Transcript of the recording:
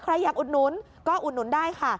ใครอยากอุดหนุนก็อุดหนุนได้ค่ะ